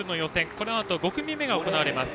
このあと５組目が行われます。